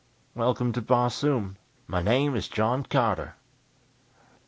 "Welcome to Barsoom! My name is John Carter."